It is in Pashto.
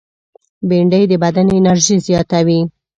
بېنډۍ د بدن انرژي زیاتوي